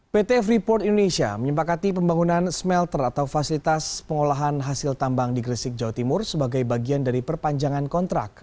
pt freeport indonesia menyempakati pembangunan smelter atau fasilitas pengolahan hasil tambang di gresik jawa timur sebagai bagian dari perpanjangan kontrak